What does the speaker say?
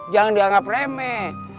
jangan dianggap remeh